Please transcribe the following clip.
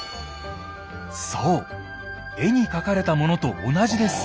そう絵に描かれたものと同じです！